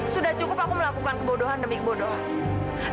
sudah cukup aku melakukan kebodohan demi kebodohan